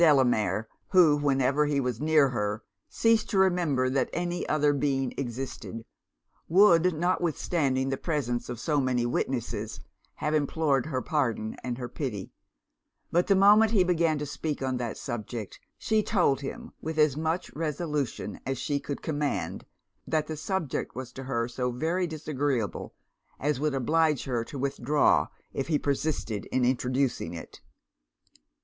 Delamere, who, whenever he was near her, ceased to remember that any other being existed; would, notwithstanding the presence of so many witnesses, have implored her pardon and her pity; but the moment he began to speak on that subject, she told him, with as much resolution as she could command, that the subject was to her so very disagreeable, as would oblige her to withdraw if he persisted in introducing it.